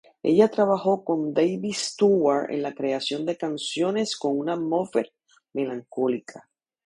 Ella trabajó con David Stewart en la creación de canciones con una atmósfera melancólica.